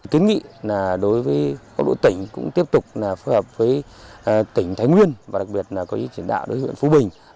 tính nghĩa đối với quốc độ tỉnh cũng tiếp tục phù hợp với tỉnh thái nguyên và đặc biệt là công ty triển đạo đối với huyện phú bình